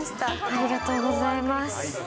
ありがとうございます。